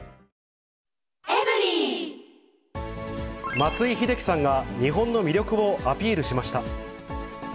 松井秀喜さんが日本の魅力をアピールしました。